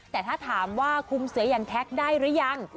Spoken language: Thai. แต่ถ้าถามว่าคุมเสืออย่างแท็กได้หรือยัง